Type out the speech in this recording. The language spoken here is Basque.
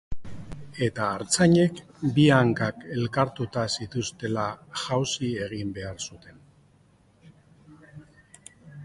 Eta artzainek, bi hankak elkartuta zituztela jauzi egin behar zuten.